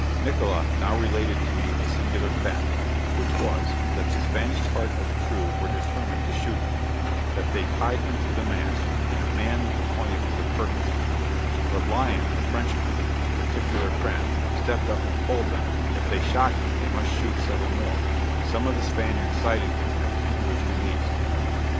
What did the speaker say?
Nickola now related to me a singular fact; which was, that the Spanish part of the crew were determined to shoot him; that they tied him to the mast, and a man was appointed for the purpose; but Lion, a Frenchman, his particular friend, stepped up and told them, if they shot him they must shoot several more; some of the Spaniards sided with him, and he was released.